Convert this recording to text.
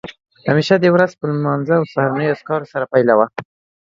همېشه دې ورځ په لمانځه او سهارنیو اذکارو سره پیلوه